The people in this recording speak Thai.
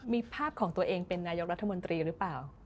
มีภาพของตัวเองเป็นนายกรัฐมนตรีหรือเปล่า